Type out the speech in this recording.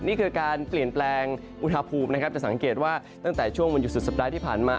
นี่คือการเปลี่ยนแปลงอุณหภูมินะครับจะสังเกตว่าตั้งแต่ช่วงวันหยุดสุดสัปดาห์ที่ผ่านมา